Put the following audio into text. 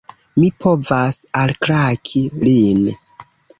Mi povas alklaki lin!